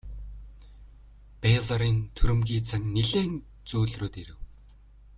Бэйлорын түрэмгий зан нилээн зөөлрөөд ирэв.